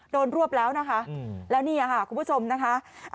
รวบแล้วนะคะแล้วนี่ค่ะคุณผู้ชมนะคะ